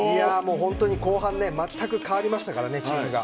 本当に後半、まったく変わりましたからね、チームが。